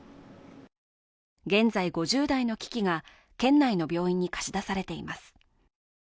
現在５０台の機器が、県内の病院に貸し出されています。